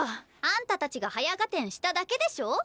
あんたたちが早合点しただけでしょ。